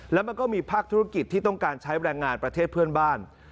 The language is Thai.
แล้วมันก็มีภาคธุรกิจที่ต้องการใช้แรงงานประเทศเพื่อนบ้าน